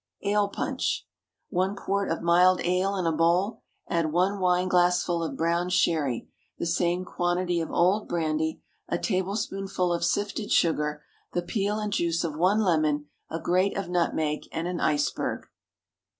Ale Punch. One quart of mild ale in a bowl, add one wine glassful of brown sherry, the same quantity of old brandy, a tablespoonful of sifted sugar, the peel and juice of one lemon, a grate of nutmeg, and an iceberg.